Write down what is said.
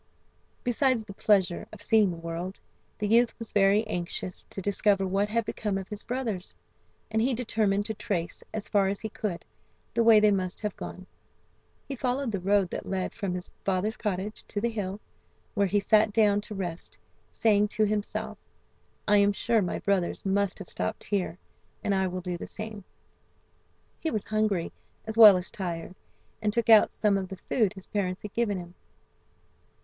Besides the pleasure of seeing the world, the youth was very anxious to discover what had become of his brothers, and he determined to trace, as far as he could, the way that they must have gone. He followed the road that led from his father's cottage to the hill, where he sat down to rest, saying to himself: "I am sure my brothers must have stopped here, and I will do the same." He was hungry as well as tired, and took out some of the food his parents had given him.